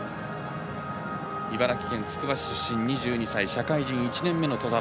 茨城県つくば市出身２２歳社会人１年目の兎澤。